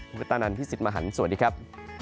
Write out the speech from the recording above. คุณปตนันพี่สิทธิ์มหันฯสวัสดีครับ